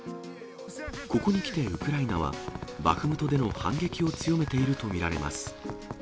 ここにきてウクライナは、バフムトでの反撃を強めていると見られます。